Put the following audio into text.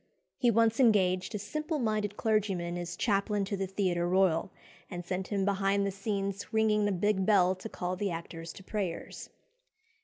He once engaged a simple minded clergyman as "chaplain to the Theatre Royal," and sent him behind the scenes ringing a big bell to call the actors to prayers.